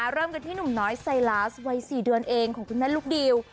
เริ่มกันที่หนุ่มน้อยไซลาสวัย๔เดือนเองของคุณแม่ลูกดิว